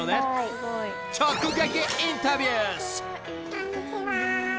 こんにちは。